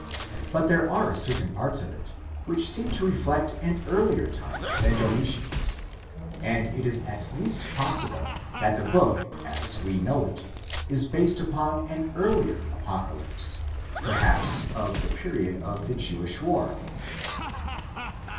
But there are certain parts of it which seem to reflect an earlier time than Domitian's, and it is at least possible that the book as we know it is based upon an earlier apocalypse, perhaps of the period of the Jewish War.